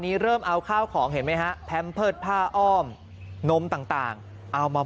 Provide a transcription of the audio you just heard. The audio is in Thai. เริ่มเอาข้าวของเห็นไหมฮะแพมเพิร์ตผ้าอ้อมนมต่างเอามา